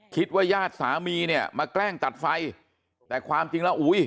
คิดว่าญาติสามีเนี่ยมาแกล้งตัดไฟแต่ความจริงแล้วอุ้ย